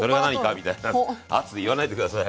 みたいな圧言わないで下さい。